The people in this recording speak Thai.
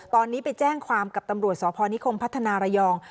ตอนนี้ไปแจ้งความกับตำรวจสพนิคมพัฒนาระยอง